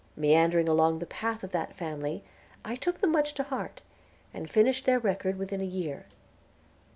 Meandering along the path of that family, I took them much to heart, and finished their record within a year.